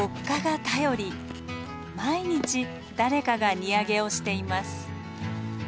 毎日誰かが荷揚げをしています。